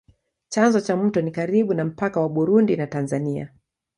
Chanzo cha mto ni karibu na mpaka wa Burundi na Tanzania.